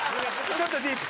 ちょっとディープ。